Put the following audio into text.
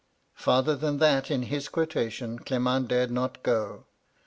Farther than that in his quotation Clement dared not go.